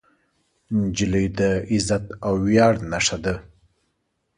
نجلۍ د عزت او ویاړ نښه ده.